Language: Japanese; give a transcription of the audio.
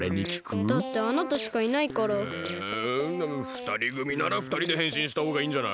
ふたりぐみならふたりでへんしんしたほうがいいんじゃない？